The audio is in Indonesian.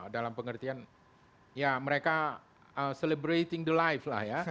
dalam pengertian ya mereka celebrating the life lah ya